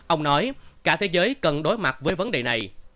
ông nói cả thế giới cần đối mặt với vấn đề này